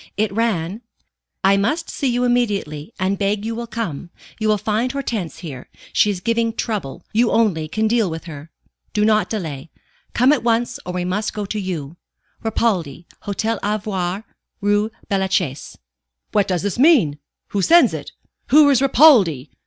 It ran: "I must see you immediately, and beg you will come. You will find Hortense here. She is giving trouble. You only can deal with her. Do not delay. Come at once, or we must go to you. Ripaldi, Hôtel Ivoire, Rue Bellechasse." "What does this mean? Who sends it? Who is Ripaldi?"